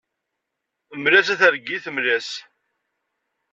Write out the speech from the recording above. Mmel-as a targit, mmel-as.